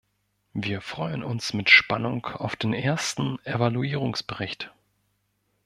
Wir freuen uns mit Spannung auf den ersten Evaluierungsbericht.